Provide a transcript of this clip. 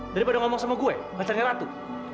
daripada ngomong sama gue ngejarnya ratu